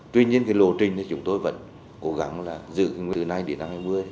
tuy nhiên cái lộ trình thì chúng tôi vẫn cố gắng là giữ từ nay đến năm hai nghìn hai mươi